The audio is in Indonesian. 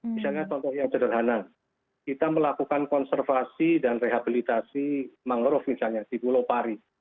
misalnya contoh yang sederhana kita melakukan konservasi dan rehabilitasi mangrove misalnya di pulau pari